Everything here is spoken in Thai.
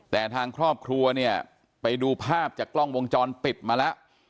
แต่ทางครอบครัวเนี่ยไปดูภาพจากกล้องวงจรปิดมาแล้ว